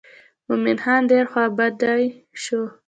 مومن خان ډېر خوا بډی شو.